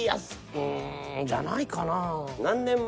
ううんじゃないかなぁ。